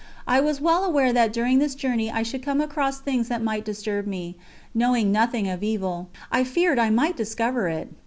I was well aware that during this journey I should come across things that might disturb me; knowing nothing of evil, I feared I might discover it.